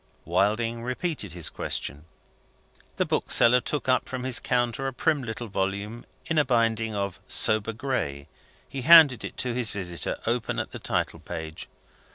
Wilding repeated his question. The bookseller took up from his counter a prim little volume in a binding of sober gray. He handed it to his visitor, open at the title page.